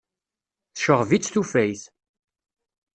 Tceɣɣeb-itt tufayt.